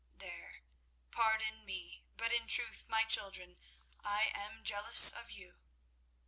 There, pardon me; but in truth, my children, I am jealous of you.